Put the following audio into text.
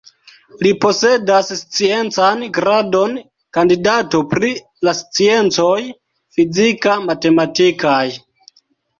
Li posedas sciencan gradon “kandidato pri la sciencoj fizika-matematikaj”.